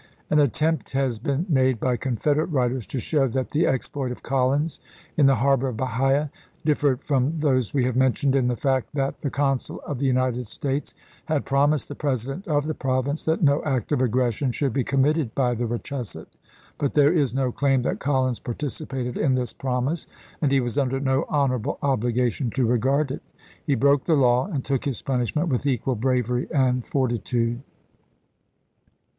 1 An attempt has been made by Confederate writers to show that the exploit of Collins in the harbor of Bahia dif fered from those we have mentioned in the fact that the Consul of the United States had promised the President of the Province that no act of aggres sion should be committed by the Wachusett, but there is no claim that Collins participated in this promise, and he was under no honorable obligation to regard it. He broke the law and took his pun ishment with equal bravery and fortitude.